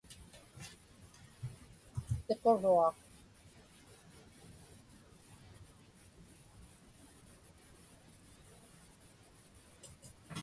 Siquruaq.